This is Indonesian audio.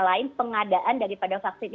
lain pengadaan daripada vaksin